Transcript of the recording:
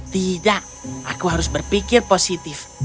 tidak aku harus berpikir positif